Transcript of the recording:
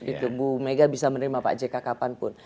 ibu mega bisa menerima pak jk kapanpun